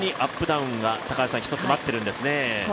ダウンが一つ待っているんですね。